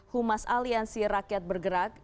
humas aliansi rakyat bergerak